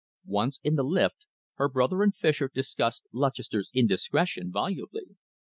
Once in the lift, her brother and Fischer discussed Lutchester's indiscretion volubly.